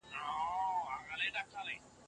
ستا ګوزار باید ډیر تېز او بې رحمه وي.